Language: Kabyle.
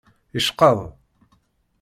Yeckeḍ.